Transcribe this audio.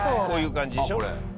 こういう感じでしょ？